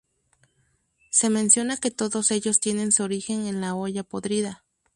Se menciona que todos ellos tienen su origen en la olla podrida.